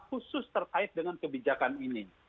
khusus terkait dengan kebijakan ini